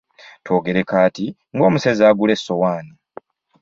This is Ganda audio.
Twogere kaati ng'omusezi agula essowaani.